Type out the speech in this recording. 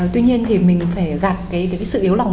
tuy nhiên thì mình phải gạt cái sự yếu lòng